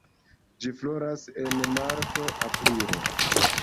Ĝi floras en marto-aprilo.